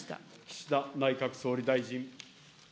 岸田内閣総理大臣。